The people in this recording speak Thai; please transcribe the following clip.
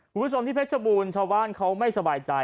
คุณผู้ชมที่เพชรบูรณ์ชาวบ้านเขาไม่สบายใจ